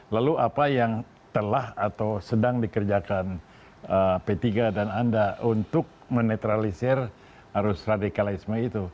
lalu apa yang telah atau sedang dikerjakan p tiga dan anda untuk menetralisir arus radikalisme itu